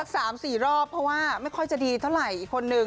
สามสี่รอบเพราะว่าไม่ค่อยจะดีเท่าไหร่อีกคนนึง